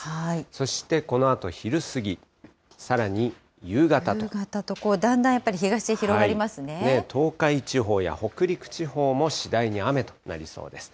そしてこのあと昼過ぎ、さらに夕夕方とだんだんやっぱり東へ東海地方や北陸地方も次第に雨となりそうです。